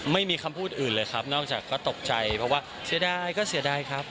ไม่มีคำพูดอื่นเลยครับนอกจากก็ตกใจเพราะว่าเสียดายก็เสียดายครับ